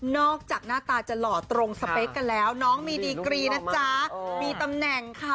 จากหน้าตาจะหล่อตรงสเปคกันแล้วน้องมีดีกรีนะจ๊ะมีตำแหน่งค่ะ